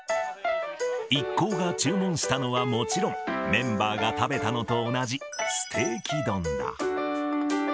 一行が注文したのは、もちろん、メンバーが食べたのと同じ、ステーキ丼だ。